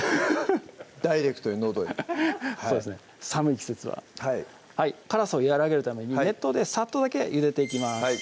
ダイレクトにのどにそうですね寒い季節ははい辛さを和らげるために熱湯でサッとだけゆでていきます